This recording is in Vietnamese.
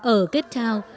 ở cape town